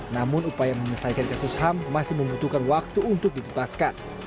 namun upaya menyelesaikan kasus ham masih membutuhkan waktu untuk ditutaskan